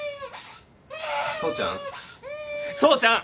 ・総ちゃん？